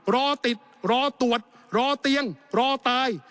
รอติดรอตรวจรอเตียงรอตาย